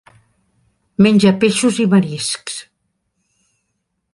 Menja peixos i mariscs.